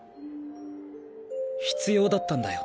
必要だったんだよ。